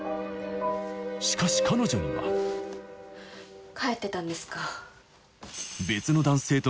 しかし彼女には帰ってたんですか。